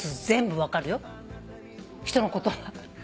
全部分かるよ人の言葉。